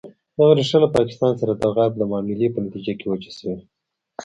دغه ریښه له پاکستان سره د غرب د معاملې په نتیجه کې وچه شوې.